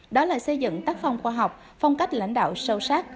đó là xây dựng tác phong khoa học phong cách lãnh đạo sâu sắc